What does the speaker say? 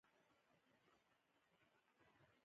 خو دا خبره رښتيا ده.